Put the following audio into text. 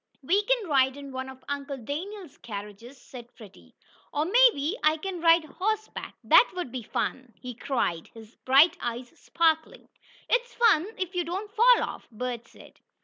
"We can ride in one of Uncle Daniel's carriages," said Freddie. "Or maybe I can ride horse back. That would be fun!" he cried, his bright eyes sparkling. "It's fun if you don't fall off," Bert said.